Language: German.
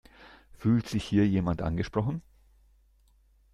Fühlt sich hier jemand angesprochen?